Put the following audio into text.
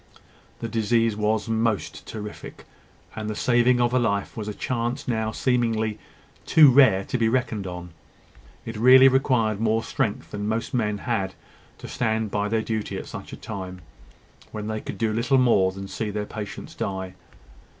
The disease was most terrific: and the saving of a life was a chance now seemingly too rare to be reckoned on. It really required more strength than most men had to stand by their duty at such a time, when they could do little more than see their patients die.